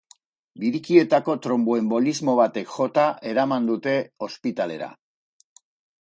Biriketako tronboenbolismo batek jota eraman dute ospitalera.